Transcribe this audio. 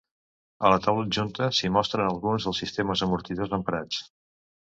A la taula adjunta s'hi mostren alguns dels sistemes amortidors emprats.